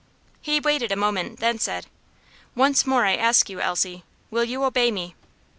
He waited a moment, then said: "Once more I ask you, Elsie, will you obey me?"